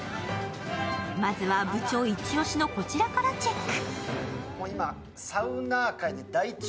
まずは、部長イチオシのこちらからチェック。